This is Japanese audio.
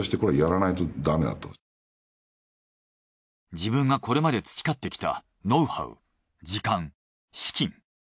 自分がこれまで培ってきたノウハウ時間資金。